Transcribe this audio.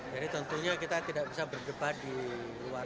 jadi tentunya kita tidak bisa berdebat di luar